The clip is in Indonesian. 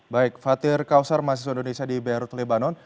baik fatir kausar mahasiswa indonesia di beirut lebanon